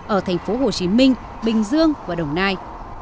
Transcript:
ở thành phố hồ chí minh bình dương và đồng nai